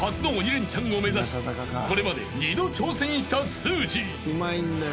レンチャンを目指しこれまで２度挑戦したすーじー］